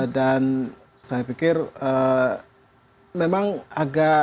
dan saya pikir memang agak kompleks gitu ya mencoba mencari pelanggaran hukum